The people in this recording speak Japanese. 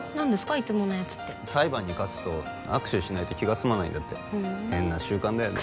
いつものやつって裁判に勝つと握手しないと気が済まないんだって変な習慣だよね